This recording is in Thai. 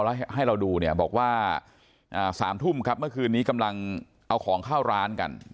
แล้วให้เราดูเนี่ยบอกว่า๓ทุ่มครับเมื่อคืนนี้กำลังเอาของเข้าร้านกัน